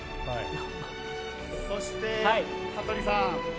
そして、羽鳥さん